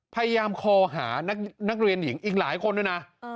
พยายามคอหานักเรียนหญิงอีกหลายคนด้วยนะ